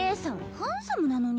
ハンサムなのに。